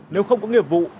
nếu không có nghiệp vụ